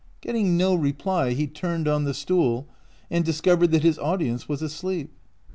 Get ting no reply, he turned on the stool, and discovered that his audience was asleep.